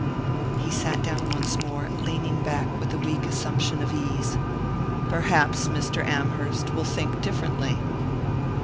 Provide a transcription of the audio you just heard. He sat down once more, leaning back with a weak assumption of ease. "Perhaps Mr. Amherst will think differently."